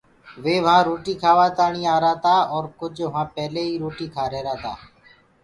وي وهآنٚ روٽي کآوآ تآڻي آهيرآ تآ اور ڪُج وهآنٚ پيلي ئي روٽي کآرهيرآ تآ۔